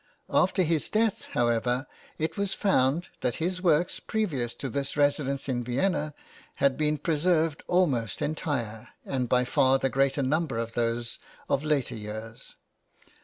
After his death, however, it was found that his works previous to %his residence in Vienna had been preserved almost entire, and by far the greater number of those of later years.